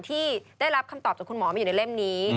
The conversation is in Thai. ที่ได้รับคำตอบจากคุณหมอมาอยู่ในเล่มนี้